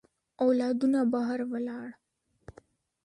اولادونه بهر ولاړ.